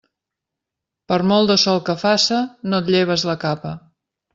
Per molt de sol que faça, no et lleves la capa.